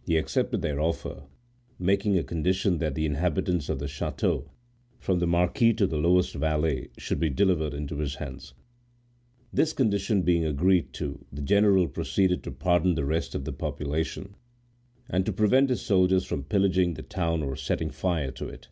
He accepted their offer, making a condition that the inhabitants of the chateau, from the marquis to the lowest valet, should be delivered into his hands. This condition being agreed to, the general proceeded to pardon the rest of the population, and to prevent his soldiers from pillaging the town or setting fire to it.